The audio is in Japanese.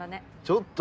ちょっと。